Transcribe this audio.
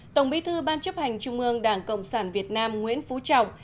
tổng bí thư ban chấp hành trung ương đảng cộng sản việt nam nguyễn phú trọng